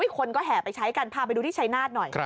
คนก็แห่ไปใช้กันพาไปดูที่ชัยนาฏหน่อย